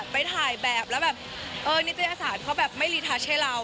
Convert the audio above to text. ไปถ่ายแบบแล้วนิตยาศาสตร์เขาไม่รีทัชให้เรา